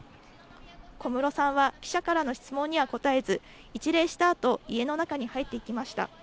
小室さんは記者からの質問には答えず、一礼したあと、家の中に入っていきました。